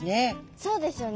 そうですよね。